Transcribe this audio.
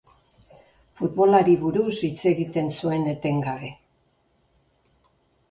Futbolari buruz hitz egiten zuen etengabe.